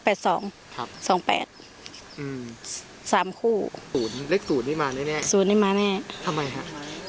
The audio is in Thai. ครับ๒๘สามคู่๐เลข๐ได้มาแน่แน่๐ได้มาแน่ทำไมฮะ